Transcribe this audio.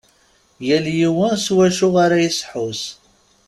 Yal yiwen s wacu ara yesḥus.